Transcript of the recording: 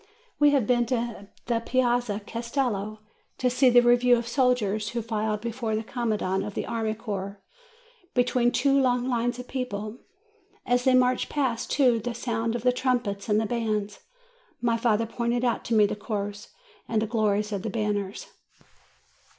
We have been to the Piazza Castello, to see the re 312 JUNE view of soldiers, who filed before the commandant of the army corps, between two long lines of people. As they marched past to the sound of trumpets and bands, my father pointed out to me the Corps and the glories of the banners.